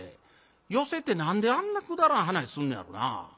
寄席て何であんなくだらん噺すんのやろな。